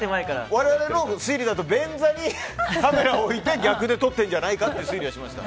我々の推理だと便座にカメラを置いて逆で撮ってるんじゃないかって推理しました。